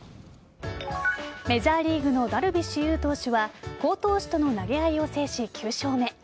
メジャーリーグのダルビッシュ有投手は好投手との投げ合いを制し９勝目。